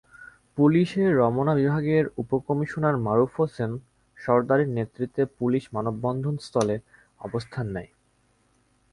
পুলিশের রমনা বিভাগের উপকমিশনার মারুফ হোসেন সরদারের নেতৃত্বে পুলিশ মানববন্ধনস্থলে অবস্থান নেয়।